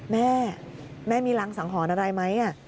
แม่แม่มีรังสังหรณ์อะไรไหม